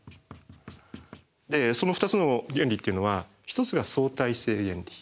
その２つの原理っていうのは一つが「相対性原理」。